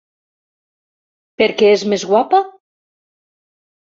Perquè és més guapa?